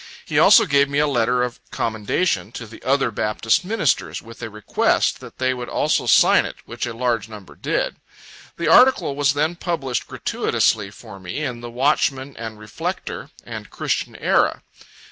He also gave me a letter of commendation to the other Baptist ministers, with a request that they would also sign it, which a large number did. The article was then published gratuitously for me in the "Watchman and Reflector" and "Christian Era."